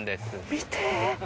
見て。